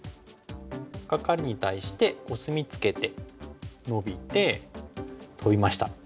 カカリに対してコスミツケてノビてトビました。